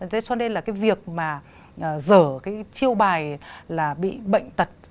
cho nên là việc mà dở chiêu bài là bị bệnh tật